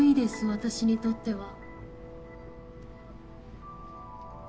私にとっては。